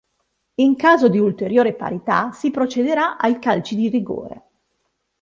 In caso di ulteriore parità si procederà ai calci di rigore.